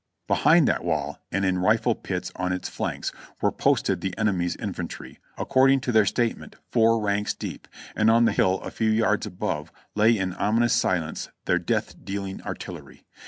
Behind that wall, and in rifle pits on its flanks, w'ere posted the enemy's infantry, according to their statement, four ranks deep, and on the hill a few yards above lay in ominous silence their death dealing artillery.